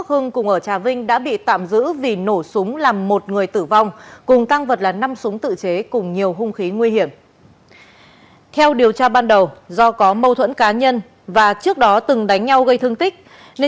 hưng bị bắt giữ sau ba năm lẩn trốn khi đang làm thuê